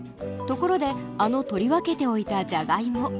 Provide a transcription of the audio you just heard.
ところであの取り分けておいたじゃがいも